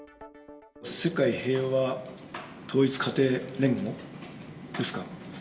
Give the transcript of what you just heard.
世界平和統一家庭連合ですか。